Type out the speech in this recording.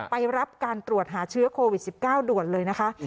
ไปรับการตรวจหาเชื้อโควิด๑๙ด่วนเลยนะคะ